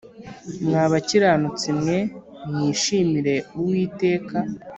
Mwa bakiranutsi mwe mwishimire uwiteka